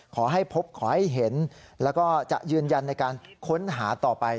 ขอให้พบขอให้เห็นแล้วก็จะยืนยันในการค้นหาต่อไป